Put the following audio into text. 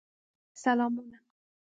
سلامونه